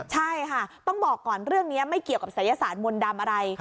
ใช่ค่ะต้องบอกก่อนเรื่องนี้ไม่เกี่ยวกับศัยศาสตร์มนต์ดำอะไร